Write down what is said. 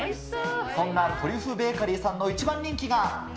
そんなトリュフベーカリーさんの一番人気が。